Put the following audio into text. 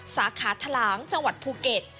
สาขาทะลางจังหวัดภูเก็ต